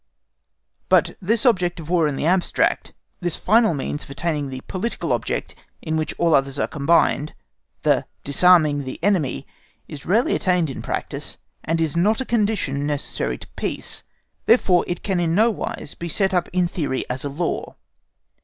But this object of War in the abstract, this final means of attaining the political object in which all others are combined, the disarming the enemy, is rarely attained in practice and is not a condition necessary to peace. Therefore it can in no wise be set up in theory as a law.